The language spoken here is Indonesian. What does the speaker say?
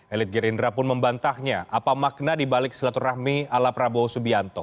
elit gerindra pun membantahnya apa makna dibalik silaturahmi ala prabowo subianto